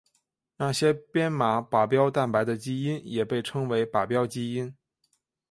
那些编码靶标蛋白的基因也被称为靶标基因。